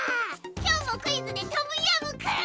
きょうもクイズでトムヤムクン！